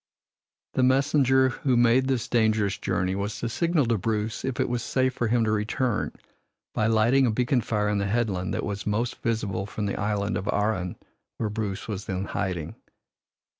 The messenger who made this dangerous journey was to signal to Bruce if it was safe for him to return by lighting a beacon fire on the headland that was most visible from the Island of Arran where Bruce was then hiding.